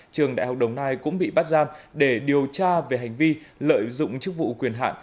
trường đại học đồng nai cũng bị bắt giam để điều tra về hành vi lợi dụng chức vụ quyền hạn